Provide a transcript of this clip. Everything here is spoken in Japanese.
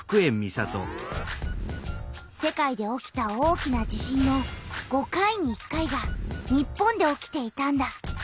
世界で起きた大きな地震の５回に１回が日本で起きていたんだ。